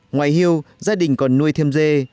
ngoài hiêu gia đình còn nuôi thêm dê